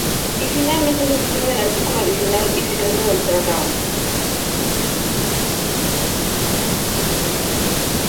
Y finalmente, se suprime el artículo adicional y secreto del Tratado.